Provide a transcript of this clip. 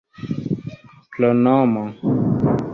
pronomo